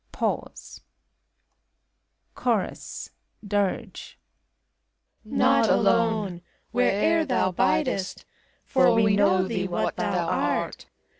Pause. CHORUS [Dir^.] Not alone! where'er thou biifest; For we know thee what thou art.